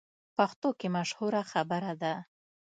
پښتو کې مشهوره خبره ده: